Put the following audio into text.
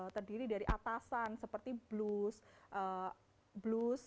terdiri dari atasan seperti blues